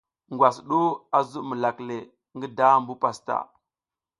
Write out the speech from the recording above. Ngwas du a zuɓ milak le, ngi dambu pastaʼa.